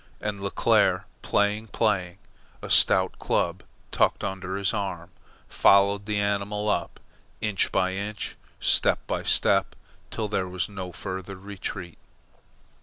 And Leclere, playing, playing, a stout club tucked under his arm, followed the animal up, inch by inch, step by step, till there was no further retreat.